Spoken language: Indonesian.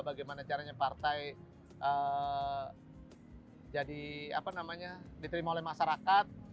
bagaimana caranya partai jadi diterima oleh masyarakat